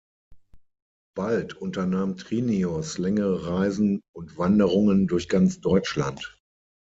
Bald unternahm Trinius längere Reisen und Wanderungen durch ganz Deutschland.